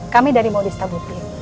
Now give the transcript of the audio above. kami dari modista butik